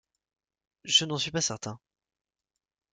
Je n'en suis pas certain.